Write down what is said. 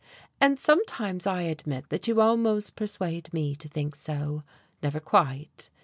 "And sometimes, I admit that you almost persuade me to think so. Never quite.